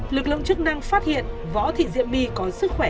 lực lượng chức năng phát hiện võ thị diễm my có sức khỏe